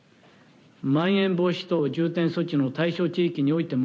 まん延防止等重点措置の対象地域においても